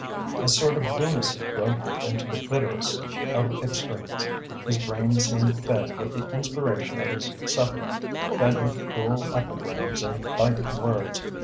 A sort of lunacy drove him into the bitterest of extremes. His brain seemed fed with the inspiration of his suffering, fed with cruel epigrams and biting words.